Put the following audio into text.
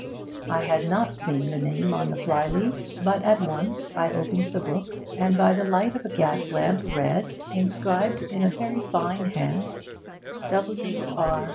I had not seen the name on the flyleaf, but at once I opened the book, and by the light of a gas lamp read, inscribed in a very fine hand, 'W. R.